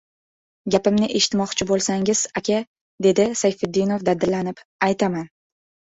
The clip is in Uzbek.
— Gapimni eshitmoqchi bo‘lsangiz, aka, — dedi Sayfiddinov dadillanib, — aytaman.